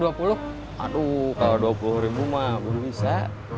aduh kalo dua puluh ribu mah belum bisa